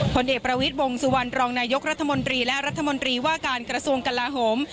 ผลเอกประวิทย์วงสุวรรณรองนายกรัฐมนตรีและรัฐมนตรีว่าการกระทรวงกลาโหม